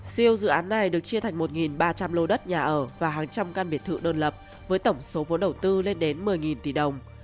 siêu dự án này được chia thành một ba trăm linh lô đất nhà ở và hàng trăm căn biệt thự đơn lập với tổng số vốn đầu tư lên đến một mươi tỷ đồng